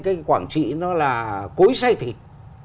cái quảng trị nó là cối xây thịt